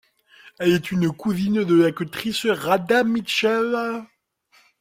Elle est une cousine de l'actrice Radha Mitchell.